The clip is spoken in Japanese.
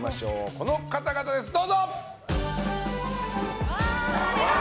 この方々です、どうぞ！